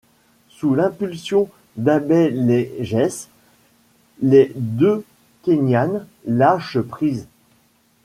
Sous l'impulsion d'Abeylegesse, les deux Kényanes lâchent prise.